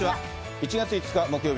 １月５日木曜日、